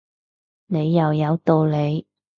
你又有道理